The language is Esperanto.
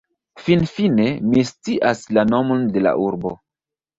Finfine, mi scias la nomon de la urbo